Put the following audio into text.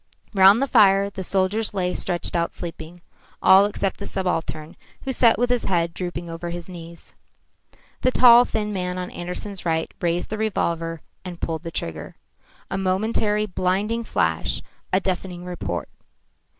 Round the fire the soldiers lay stretched out sleeping, all except the subaltern, who sat with his head drooping over his knees. The tall thin man on Andersen's right raised the revolver and pulled the trigger. A momentary blinding flash, a deafening report.